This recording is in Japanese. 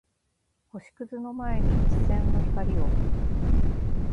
星屑の前に一閃の光を